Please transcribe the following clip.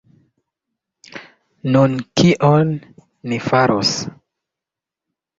Nun, kion ni faros?